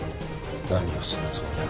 何をするつもりだ？